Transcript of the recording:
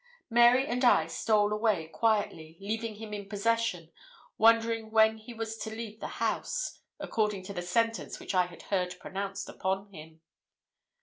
Mary and I stole away quietly, leaving him in possession, wondering when he was to leave the house, according to the sentence which I had heard pronounced upon him.